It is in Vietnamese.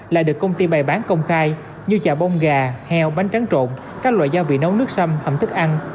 lại được công ty bày bán công khai như chả bông gà heo bánh tráng trộn các loại gia vị nấu nước xăm hẩm thức ăn